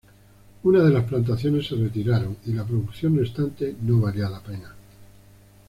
Una de las plantaciones se retiraron, y la producción restante no valía la pena.